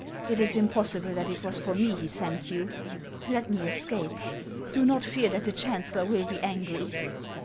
It is impossible that it was for me he sent you. Let me escape; do not fear that the chancellor will be angry."